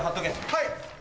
はい。